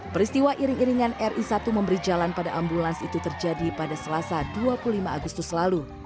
peristiwa iring iringan ri satu memberi jalan pada ambulans itu terjadi pada selasa dua puluh lima agustus lalu